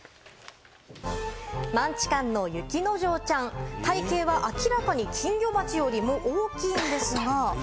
マンチカンの雪之丞ちゃん、体形は明らかに金魚鉢よりも大きいんですが。